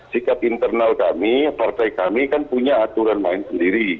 sikap internal kami partai kami kan punya aturan main sendiri